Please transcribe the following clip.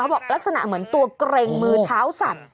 บอกลักษณะเหมือนตัวเกร็งมือเท้าสัตว